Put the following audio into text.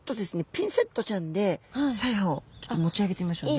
ピンセットちゃんで鰓耙をちょっと持ち上げてみましょうね。